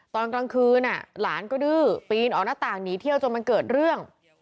ตอนกลางคืนหลานก็ดื้อปีนออกหน้าต่างหนีเที่ยวจนมันเกิดเรื่อง